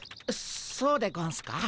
そうでゴンスか？